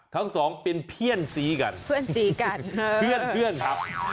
ทั้งสองเป็นเพื่อนสีกันเพื่อนสีกันเพื่อนครับ